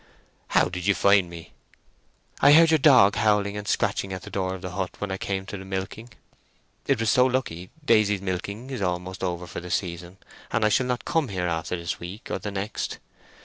"How did you find me?" "I heard your dog howling and scratching at the door of the hut when I came to the milking (it was so lucky, Daisy's milking is almost over for the season, and I shall not come here after this week or the next).